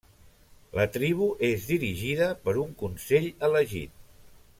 La tribu és dirigida per un consell elegit.